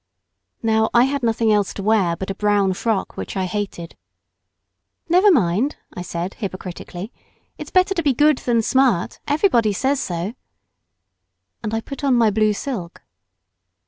Now I had nothing else to wear but a brown frock which I hated. "Never mind," I said hypocritically, "it's better to be good than smart, everybody says so," and I put on my blue silk.